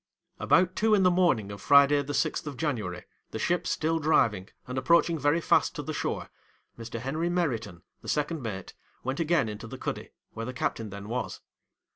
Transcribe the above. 'About two in the morning of Friday the sixth of January, the ship still driving, and approaching very fast to the shore, Mr. Henry Meriton, the second mate, went again into the cuddy, where the captain then was.